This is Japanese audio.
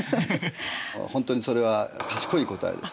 本当にそれは賢い答えです。